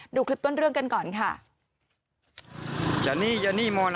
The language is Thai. ดูคลิปต้นเรื่องกันก่อนค่ะ